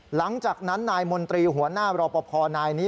หลังจากนั้นนายมนตรีหัวหน้ารอปภนายนี้